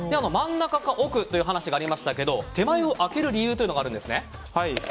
真ん中か奥という話がありましたが手前を空ける理由というのがあるんですね。